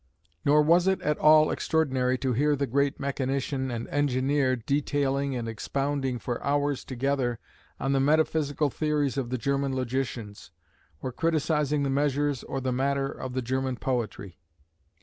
Nor was it at all extraordinary to hear the great mechanician and engineer detailing and expounding, for hours together, the metaphysical theories of the German logicians, or criticising the measures or the matter of the German poetry.